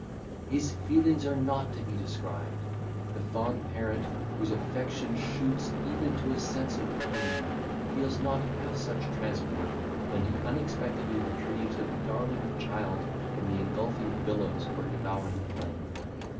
His feelings are not to be described. The fond parent, whose affection shoots even to a sense of pain, feels not half such transport, when he unexpectedly retrieves a darling child from the engulfing billows or devouring flame.